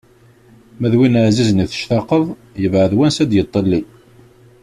Ma d win ɛzizen i tectaqeḍ, yebɛed wansa i d-yettḍilli.